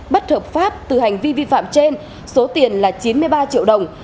bất hợp pháp từ hành vi vi phạm trên số tiền là chín mươi ba triệu đồng